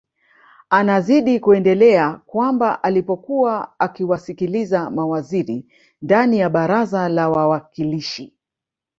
Anazidi kuendelea kwamba alipokuwa akiwasikiliza mawaziri ndani ya baraza la wawakilishi